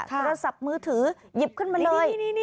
โทรศัพท์มือถือหยิบขึ้นมาเลย